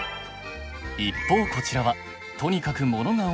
一方こちらはとにかくモノが多いキッチン。